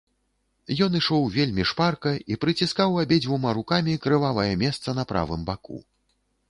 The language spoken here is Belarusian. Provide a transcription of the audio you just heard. Ён ішоў вельмі шпарка і прыціскаў абедзвюма рукамі крывавае месца на правым баку.